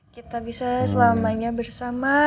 kita bisa selamanya bersama